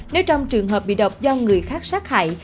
nếu trong trường hợp bị độc do người khác sát hại